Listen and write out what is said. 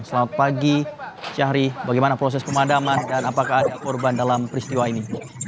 selamat pagi syahri bagaimana proses pemadaman dan apakah ada korban dalam peristiwa ini